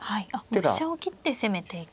飛車を切って攻めていく。